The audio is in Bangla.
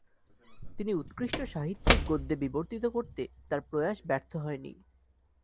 তিনি উৎকৃষ্ট সাহিত্যিক গদ্যে বিবর্তিত করতে তার প্রয়াস ব্যর্থ হয়নি।